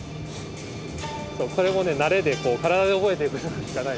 それもね慣れで体で覚えていくしかない。